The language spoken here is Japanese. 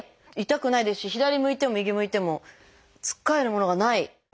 痛くないですし左向いても右向いてもつっかえるものがない。